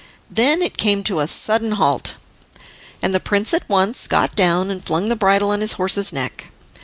Then it came to a sudden halt, and the prince at once got down and flung the bridle on his horse's neck.